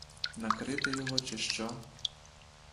Накрито його, чи що?